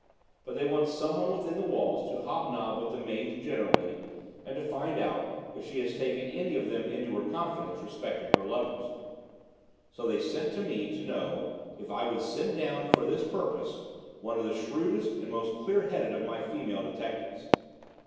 But they want someone within the walls to hob nob with the maids generally, and to find out if she has taken any of them into her confidence respecting her lovers. So they sent to me to know if I would send down for this purpose one of the shrewdest and most clear headed of my female detectives.